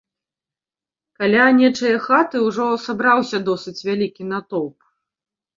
Каля нечае хаты ўжо сабраўся досыць вялікі натоўп.